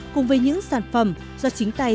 cùng với những sản phẩm do chính tay